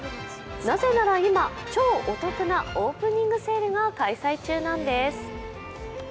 なぜなら今、超お得なオープニングセールが開催中なんです。